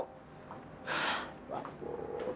kenalan juga nggak kok